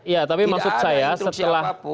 ya tapi maksud saya setelah